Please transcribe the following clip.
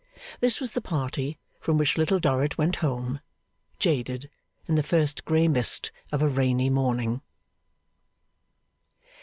This was the party from which Little Dorrit went home, jaded, in the first grey mist of a rainy morning.